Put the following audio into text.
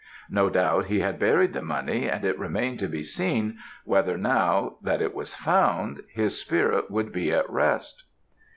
No doubt he had buried the money, and it remained to be seen, whether now, that it was found, his spirit would be at rest.